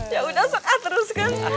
ya udah suka terus kan